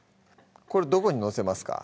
これどこに載せますか？